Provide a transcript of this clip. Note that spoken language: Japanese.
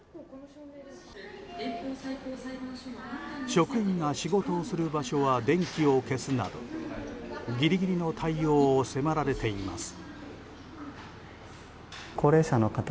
職員が仕事をする場所は電気を消すなどギリギリの対応を迫られています。